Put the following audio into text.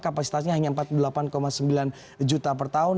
kapasitasnya hanya empat puluh delapan sembilan juta per tahun